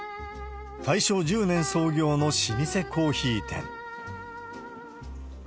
大正１０年創業の老舗コーヒー店。